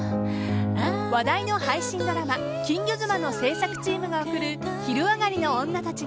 話題の配信ドラマ「金魚妻」の制作チームが送る「昼上がりのオンナたち」。